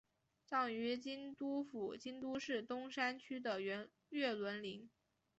葬于京都府京都市东山区的月轮陵。